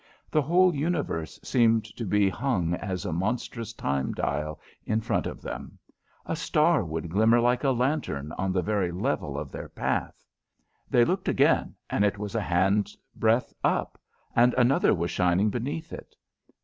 The whole universe seemed to be hung as a monstrous time dial in front of them. A star would glimmer like a lantern on the very level of their path. They looked again, and it was a hand's breadth up, and another was shining beneath it.